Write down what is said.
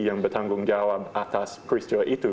yang bertanggung jawab atas peristiwa itu